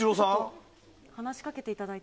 話しかけていただいて。